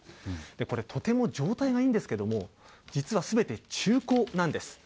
これ、とても状態がいいんですけれども、実はすべて中古なんです。